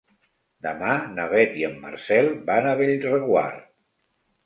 Demà na Beth i en Marcel van a Bellreguard.